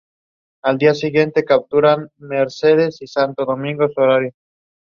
She was schooled in East Acton.